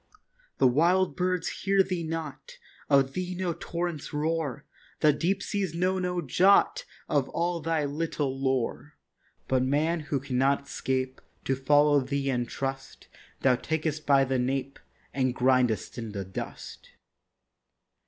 The wild birds heed thee not; Of thee no torrents roar; The deep seas know no jot Of all thy little lore; But man who cannot 'scape To follow thee and trust, Thou takest by the nape And grindest in the dust.